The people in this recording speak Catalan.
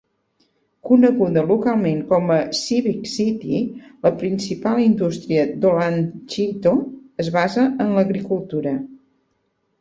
Coneguda localment com la Civic City, la principal indústria d'Olanchito es basa en l'agricultura.